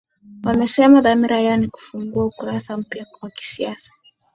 wamesema dhamira yao ni kufungua ukurasa mpya wakisiasa